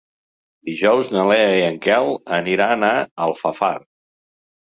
Dijous na Lea i en Quel aniran a Alfafar.